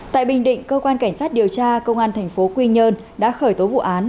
tại bình định cơ quan cảnh sát điều tra công an tp quy nhơn đã khởi tố vụ án